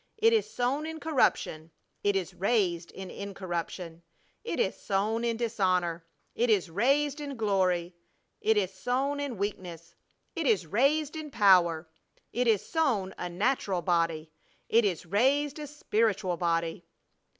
It is sown in corruption, it is raised in incorruption; it is sown in dishonor, it is raised in glory; it is sown in weakness, it is raised in power; it is sown a natural body, it is raised a spiritual body."